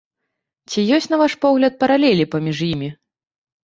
Ці ёсць, на ваш погляд, паралелі паміж імі?